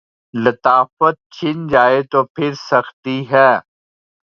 لطافت چھن جائے تو پھر سختی ہے۔